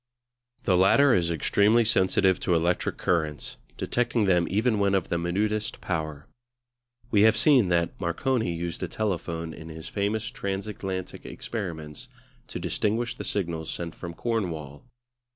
The latter is extremely sensitive to electric currents, detecting them even when of the minutest power. We have seen that Marconi used a telephone in his famous transatlantic experiments to distinguish the signals sent from Cornwall.